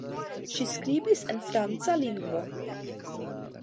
Ŝi skribis en franca lingvo.